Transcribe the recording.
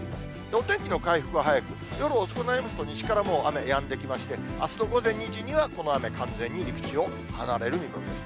お天気の回復は早く、夜遅くなりますと、西からもう雨、やんできまして、あすの午前２時にはこの雨、完全に陸を離れる見込みです。